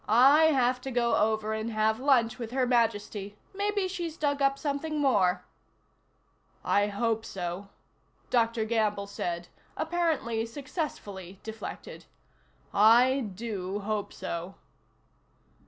I have to go over and have lunch with Her Majesty. Maybe she's dug up something more." "I hope so," Dr. Gamble said, apparently successfully deflected. "I do hope so."